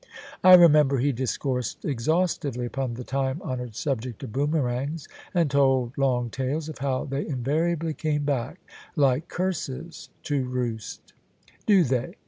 " I remember he discoursed exhaustively upon the time honoured subject of boomerangs, and told long tales of how they invariably came back, like curses, to roost" "Do they?